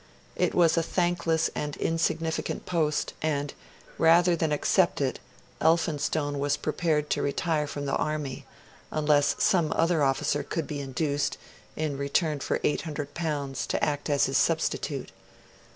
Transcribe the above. It was a thankless and insignificant post; and, rather than accept it, Elphinstone was prepared to retire from the Army unless some other officer could be induced, in return for L800, to act as his substitute.